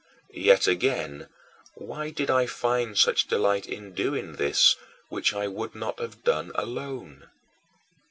Yet, again, why did I find such delight in doing this which I would not have done alone?